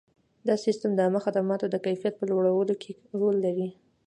دا سیستم د عامه خدماتو د کیفیت په لوړولو کې رول لري.